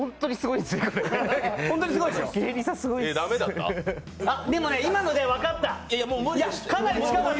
でも、今ので分かった。